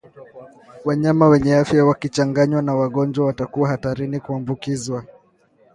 Wanyama wenye afya wakichanganywa na wagonjwa watakuwa hatarini kuambukizwa